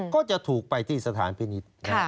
ก็จะถูกไปที่สถานพินิษฐ์